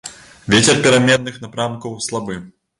Вецер пераменных напрамкаў, слабы.